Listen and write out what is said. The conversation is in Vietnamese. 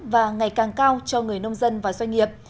và ngày càng cao cho người nông dân và doanh nghiệp